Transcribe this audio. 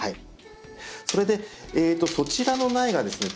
それでそちらの苗がですね